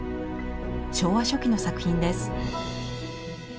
昭和初期の作品です。